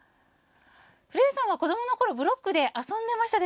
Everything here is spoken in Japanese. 古谷さんは子どものころブロックで遊んでましたか？